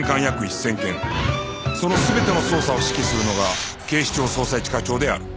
その全ての捜査を指揮するのが警視庁捜査一課長である